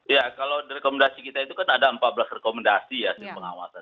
ya kalau rekomendasi kita itu kan ada empat belas rekomendasi ya pengawasan